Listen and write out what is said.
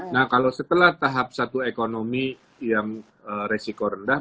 nah kalau setelah tahap satu ekonomi yang resiko rendah